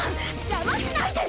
邪魔しないで！